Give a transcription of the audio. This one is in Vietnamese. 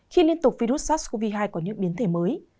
khi liên tục virus sars cov hai có những biến thể mới